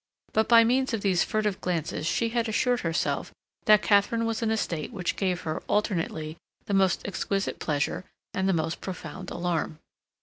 But by means of these furtive glances she had assured herself that Katharine was in a state which gave her, alternately, the most exquisite pleasure and the most profound alarm.